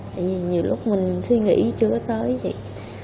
tại vì nhiều lúc mình suy nghĩ chưa có tới vậy